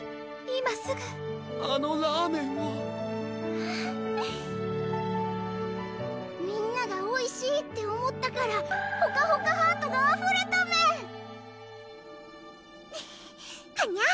今すぐあのラーメンをみんながおいしいって思ったからほかほかハートがあふれたメンはにゃ！